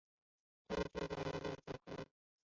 东京俳优生活协同组合所属。